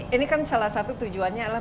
ini kan salah satu tujuannya adalah